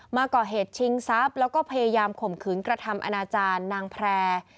มาก่อเหตุชิงทรัพย์แล้วก็พยายามข่มขืนกระทำอนาจารย์นางแพร่